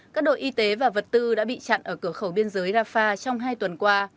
các đội y tế và vật tư đã bị chặn ở cửa khẩu biên giới rafah trong hai tuần qua